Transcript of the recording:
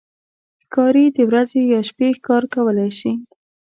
ښکاري د ورځې یا شپې ښکار کولی شي.